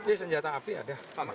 iya senjata api ada